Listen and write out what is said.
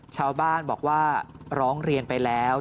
ชาวบ้านบอกว่าร้องเรียนไปแล้ว